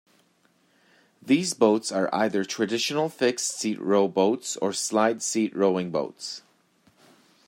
These boats are either traditional fixed seat row boats or slide seat rowing boats.